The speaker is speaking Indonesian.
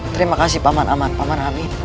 terima kasih paman aman paman kami